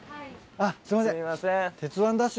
あっすいません。